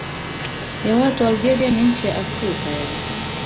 ya watu wa Algeria ni nchi ya Afrika ya